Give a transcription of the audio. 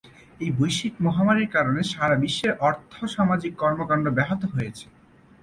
এই বৈশ্বিক মহামারীর কারণে সারা বিশ্বের আর্থ-সামাজিক কর্মকাণ্ড ব্যাহত হয়েছে।